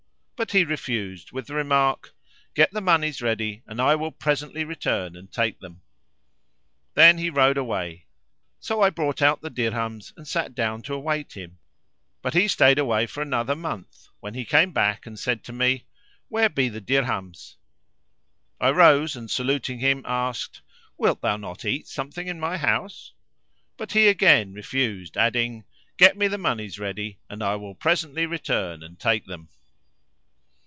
But he refused with the remark, "Get the monies ready and I will presently return and take them." Then he rode away. So I brought out the dirhams and sat down to await him, but he stayed away for another month, when he came back and said to me, "Where be the dirhams?" I rose and saluting him asked, "Wilt thou not eat some thing in my house?" But he again refused adding, "Get me the monies ready and I will presently return and take them."